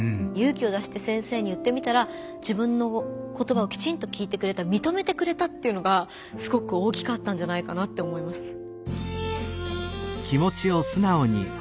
勇気を出して先生に言ってみたら自分の言葉をきちんと聞いてくれたみとめてくれたっていうのがすごく大きかったんじゃないかなと思います。